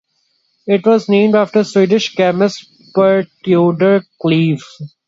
It was named after Swedish chemist Per Teodor Cleve.